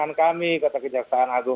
karena kamu sudah buat pengalaman satu tahun